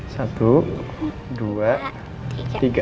satu dua tiga